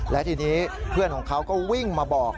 และทีนี้เพื่อนของเขาก็วิ่งมาบอก